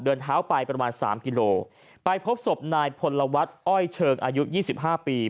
เดินเท้าไปประมาณ๓กิโลกรัมไปพบศพนายพลวัฒน์อ้อยเชิงอายุ๒๕ปี